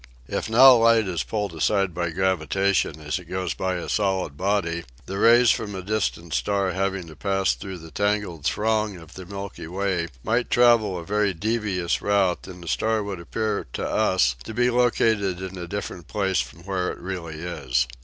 If now light is pulled aside by gravitation as it goes by a solid body the rays from a distant star having to pass through the tangled throng of the Milky Way might travel a very devious route and the star would appear to us to be located in a different place from where it really is.